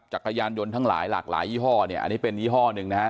จักรยานยนต์ทั้งหลายหลากหลายยี่ห้อเนี่ยอันนี้เป็นยี่ห้อหนึ่งนะฮะ